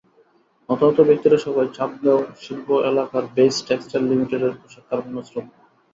হতাহত ব্যক্তিরা সবাই চান্দগাঁও শিল্প এলাকার বেইজ টেক্সটাইল লিমিটেড পোশাক কারখানার শ্রমিক।